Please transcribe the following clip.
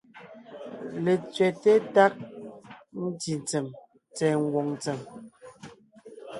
Letsẅɛ́te tág ntí ntsèm tsɛ̀ɛ ngwòŋ ntsèm,